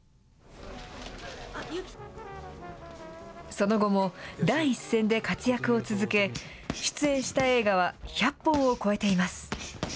その後も、第一線で活躍を続け、出演した映画は１００本を超えています。